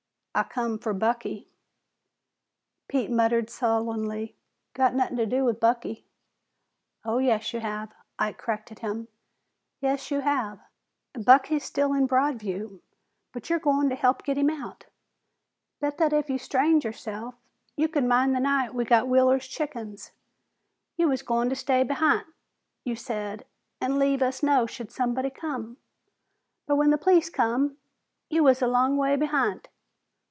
"I come fer Bucky." Pete muttered sullenly, "Got nothin' to do with Bucky." "Oh, yes, you have," Ike corrected him. "Yes, you have. Bucky's still in Broadview, but you're goin' to help get him out. Bet that if you strained yourself, you could mind the night we got Wheeler's chickens. You was goin' to stay behin't, you said, an' leave us know should somebody come. But when the police come, you was a long ways behin't.